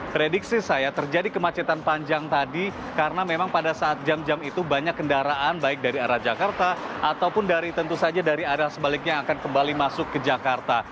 prediksi saya terjadi kemacetan panjang tadi karena memang pada saat jam jam itu banyak kendaraan baik dari arah jakarta ataupun dari tentu saja dari arah sebaliknya yang akan kembali masuk ke jakarta